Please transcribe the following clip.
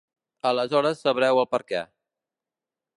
Aleshores sabreu el perquè.